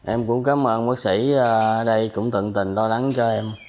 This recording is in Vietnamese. em cũng cảm ơn bác sĩ ở đây cũng tận tình lo lắng cho em